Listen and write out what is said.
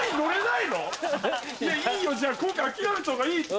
いやいいよじゃあ今回諦めたほうがいいって。